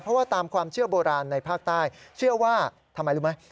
เพราะว่าตามความเชื่อโบราณในภาคใต้เชื่อว่าทำไมรู้ไหม